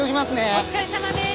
お疲れさまです。